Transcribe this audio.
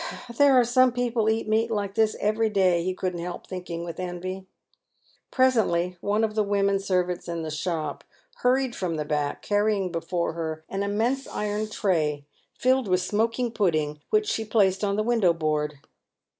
" There are some people eat meat like this every day," he couldn't help thinking, with envy. Presently one of the women servants in the shop hurried from the back, carrying before her an immense iron tray filled with smoking puddiug, which she placed on the window board.